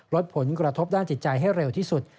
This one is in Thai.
ลดผลกระทบด้านจิตใจให้เร็วที่สุด